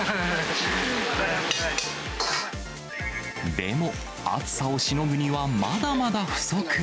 でも、暑さをしのぐにはまだまだ不足。